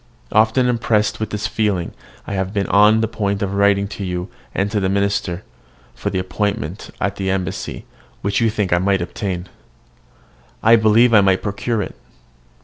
Often impressed with this feeling I have been on the point of writing to you and to the minister, for the appointment at the embassy, which you think I might obtain. I believe I might procure it.